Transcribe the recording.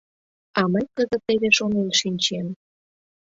А мый кызыт теве шонен шинчем.